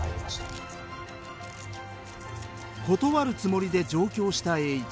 断るつもりで上京した栄一。